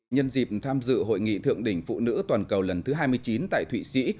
nhân dịp tham dự hội nghị thượng đỉnh phụ nữ toàn cầu lần thứ hai mươi chín tại thụy sĩ